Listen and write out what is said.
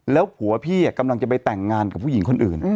แล้วผัวพี่กำลังจะไปแต่งงานกับผู้หญิงคนอื่น